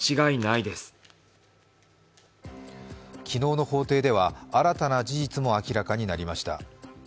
昨日の法廷では新たな事実も明らかになりました。